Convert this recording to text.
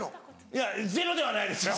いやゼロではないですよ。